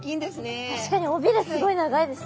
確かに尾びれすごい長いですね。